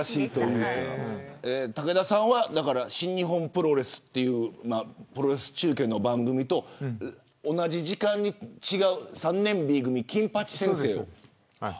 武田さんは新日本プロレスというプロレス中継の番組と同じ時間に３年Ｂ組金八先生を。